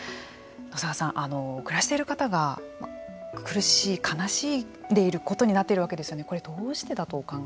野澤さん、暮らしている方が苦しく、悲しんでいることになっているわけですよね。